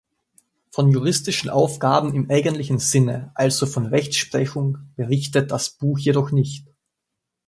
Von juristischen Aufgaben im eigentlichen Sinne, also von Rechtsprechung, berichtet das Buch jedoch nicht.